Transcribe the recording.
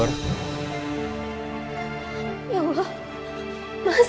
mas ini kamu sudah bebas mas